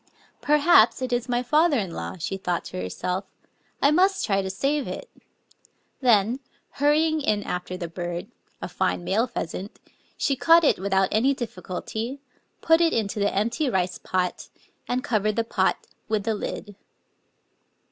" Perhaps it is mjrjfather in law/' she thought to herself; — "I must try to save it!" Then, hurrying in after the bird, — a fine male pheasant, — she caught it without any difficulty, put it into the empty rice pot, and covered the pot with the lid.